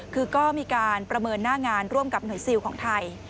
คือก็มีการประเมินหน้างานร่วมกับหน่วยซิลของไทย